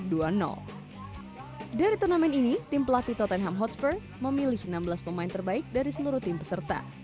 dari turnamen ini tim pelatih tottenham hotspur memilih enam belas pemain terbaik dari seluruh tim peserta